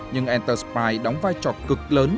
nhưng entersprite đóng vai trò cực lớn